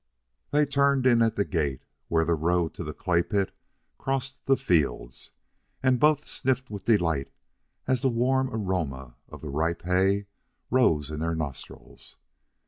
They turned in at the gate, where the road to the clay pit crossed the fields, and both sniffed with delight as the warm aroma of the ripe hay rose in their nostrils.